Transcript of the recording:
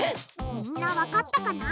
みんなわかったかな？